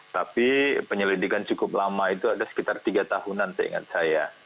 tapi penyelidikan cukup lama itu ada sekitar tiga tahunan seingat saya